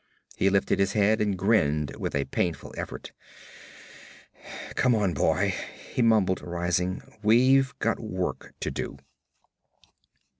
He lifted his head and grinned with a painful effort. 'Come on, boy,' he mumbled, rising. 'We've got work to do.'